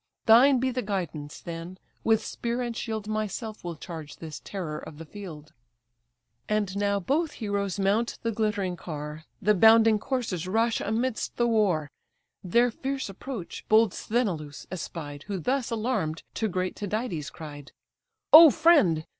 Thine be the guidance, then: with spear and shield Myself will charge this terror of the field." And now both heroes mount the glittering car; The bounding coursers rush amidst the war; Their fierce approach bold Sthenelus espied, Who thus, alarm'd, to great Tydides cried: "O friend!